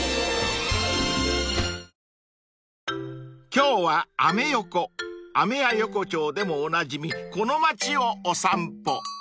［今日はアメ横アメヤ横丁でもおなじみこの街をお散歩］